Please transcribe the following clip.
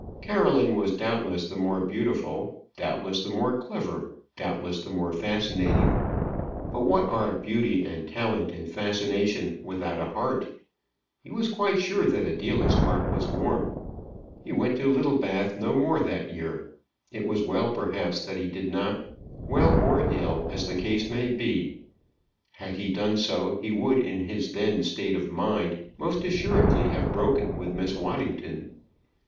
Caroline was doubtless the more beautiful, doubtless the more clever, doubtless the more fascinating. But what are beauty and talent and fascination without a heart? He was quite sure that Adela's heart was warm. He went to Littlebath no more that year. It was well perhaps that he did not. Well or ill as the case may be. Had he done so, he would, in his then state of mind, most assuredly have broken with Miss Waddington.